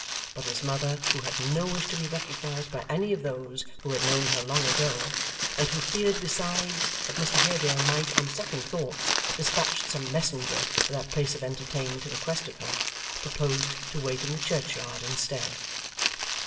But his mother, who had no wish to be recognised by any of those who had known her long ago, and who feared besides that Mr Haredale might, on second thoughts, despatch some messenger to that place of entertainment in quest of her, proposed to wait in the churchyard instead.